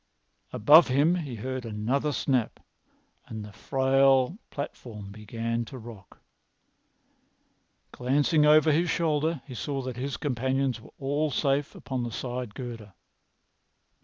Above him he heard another snap, and the frail platform began to rock. Glancing over his shoulder, he saw that his companions were all safe upon the side girder.